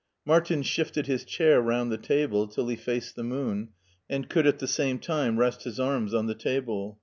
Martin shifted his chair rotmd the table till he faced the moon and could at the same time rest his arms on the table.